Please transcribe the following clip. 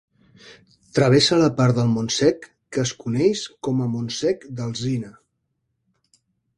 Travessa la part del Montsec que es coneix com a Montsec d'Alzina.